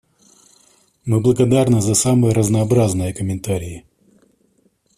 Мы благодарны за самые разнообразные комментарии.